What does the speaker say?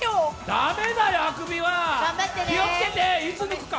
駄目だよ、あくびは、気をつけて、いつ抜くか。